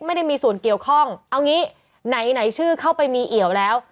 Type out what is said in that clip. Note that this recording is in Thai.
ไม่ได้มีส่วนเกี่ยวข้องเอางี้ไหนชื่อเข้าไปมีเอี่ยวแล้ว